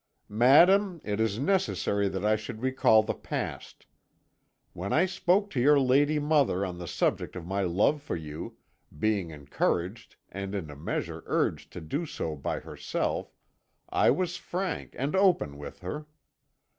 'Madame, it is necessary that I should recall the past. When I spoke to your lady mother on the subject of my love for you being encouraged and in a measure urged to do so by herself I was frank and open with her.